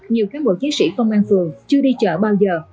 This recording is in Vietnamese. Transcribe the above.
nhiều cán bộ chiến sĩ công an phường chưa đi chợ bao giờ